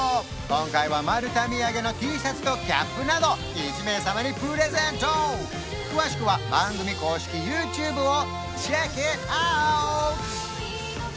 今回はマルタ土産のＴシャツとキャップなど１名様にプレゼント詳しくは番組公式ＹｏｕＴｕｂｅをｃｈｅｃｋｉｔｏｕｔ！